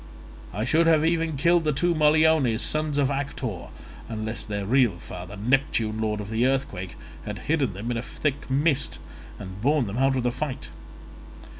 I should have even killed the two Moliones, sons of Actor, unless their real father, Neptune lord of the earthquake, had hidden them in a thick mist and borne them out of the fight.